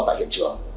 tại hiện trường